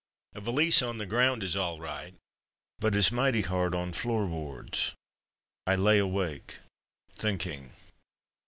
A valise on the ground is all right, but is mighty hard on floor boards. I lay awake, thinking.